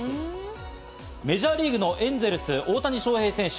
メジャーリーグのエンゼルス・大谷翔平選手。